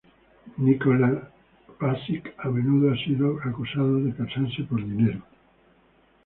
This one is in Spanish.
Nikola Pašic a menudo ha sido acusado de casarse por dinero.